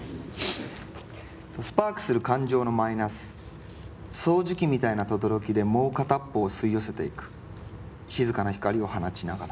「スパークする感情のマイナス掃除機みたいなとどろきでもう片っ方を吸い寄せていく静かな光を放ちながら」。